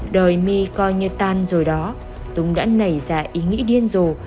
đời my coi như tan rồi đó tùng đã nảy ra ý nghĩ điên rồi